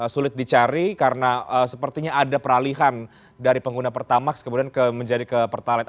sulit dicari karena sepertinya ada peralihan dari pengguna pertamax kemudian menjadi ke pertalite